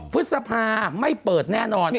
พฤษภาไม่เปิดแน่นอน